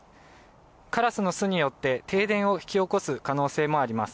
カラスの巣によって、停電を引き起こす可能性もあります。